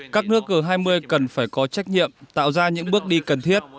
các nước g hai mươi cần phải có trách nhiệm tạo ra những bước đi cần thiết